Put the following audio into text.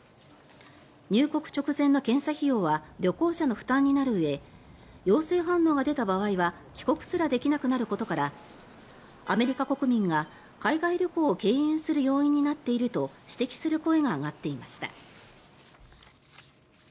入国直前の検査費用は旅行者の負担になるうえ陽性反応が出た場合は帰国すらできなくなることからアメリカ国民が海外旅行を敬遠する要因になっていると指摘する声が上がっていました。